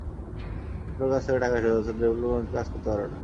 ফিফার কাছ থেকে টাকা এসেছে অথচ ডেভেলপমেন্ট কমিটি কাজ করতে পারবে না।